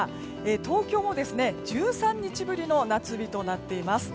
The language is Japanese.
東京も、１３日ぶりの夏日となっています。